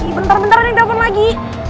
bentar bentar ada yang telfon lagi